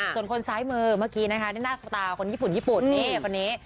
ส่วนคนซ้ายมือเมื่อกี้นะคะนี่หน้าสตาร์คนญี่ปุ่นญี่ปุ่นนี่คนนี้